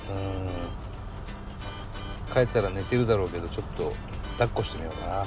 帰ったら寝てるだろうけどちょっとだっこしてみようかな。